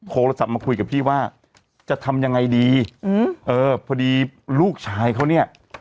โทรศัพท์มาคุยกับพี่ว่าจะทำยังไงดีอืมเออพอดีลูกชายเขาเนี่ย